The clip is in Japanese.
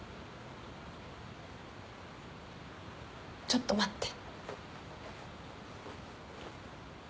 ちょっと待って。